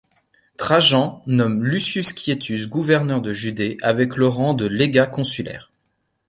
Trajan nomme Lusius Quietus gouverneur de Judée avec le rang de légat consulaire.